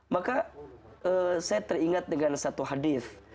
maka saya teringat dengan satu hadith